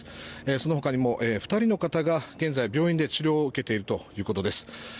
その他にも２人の方が現在、病院で治療を受けているということです。